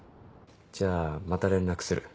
じゃあまた連絡する。